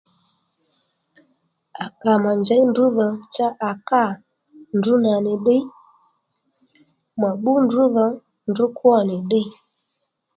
À kà mà njěy ndrǔ dhò cha à kâ ndrǔ nà nì ddiy mà bbú ndrǔ dhò ndrǔ kwô nì ddiy